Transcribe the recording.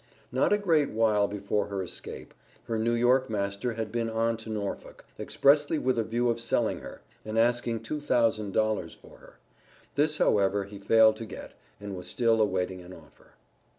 Not a great while before her escape, her New York master had been on to Norfolk, expressly with a view of selling her, and asked two thousand dollars for her. This, however, he failed to get, and was still awaiting an offer.